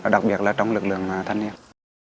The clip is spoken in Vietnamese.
đặc biệt là trong lực lượng thanh niên